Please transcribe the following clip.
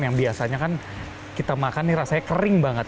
yang biasanya kan kita makan nih rasanya kering banget